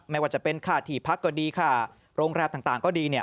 ไม่ว่าจะเป็นค่าที่พักก็ดีค่าโรงแรมต่างก็ดีเนี่ย